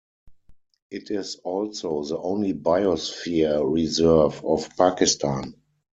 It is also the only biosphere reserve of Pakistan.